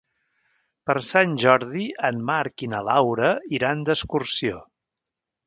Per Sant Jordi en Marc i na Laura iran d'excursió.